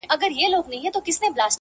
• زه د پېړیو ګیله منو پرهارونو آواز -